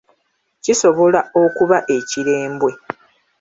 Kisobola okuba ekirembwe.